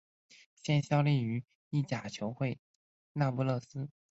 现效力于意甲球会那不勒斯。